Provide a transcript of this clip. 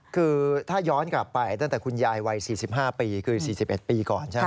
คือถ้าย้อนกลับไปตั้งแต่คุณยายวัย๔๕ปีคือ๔๑ปีก่อนใช่ไหม